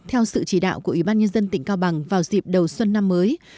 theo sự chỉ đạo của ủy ban nhân dân tỉnh cao bằng vào dịp đầu xuân năm mới